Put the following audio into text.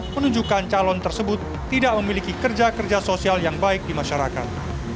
penunjukan calon tersebut tidak memiliki kerja kerja sosial yang baik di masyarakat